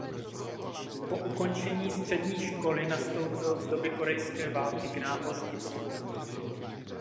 Po ukončení střední školy nastoupil v době Korejské války k námořnictvu.